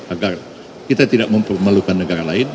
agar kita tidak mempermalukan negara lain